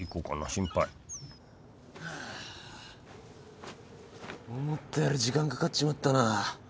心配あ思ったより時間かかっちまったな。